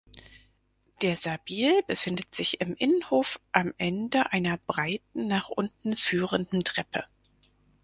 Der Sabil befindet sich im Innenhof am Ende einer breiten nach unten führenden Treppe.